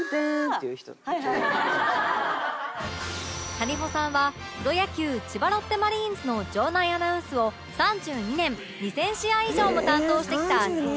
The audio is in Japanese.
谷保さんはプロ野球千葉ロッテマリーンズの場内アナウンスを３２年２０００試合以上も担当してきた鉄人ウグイス嬢